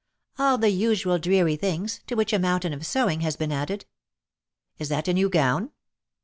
"All the usual dreary things, to which a mountain of sewing has been added." "Is that a new gown?"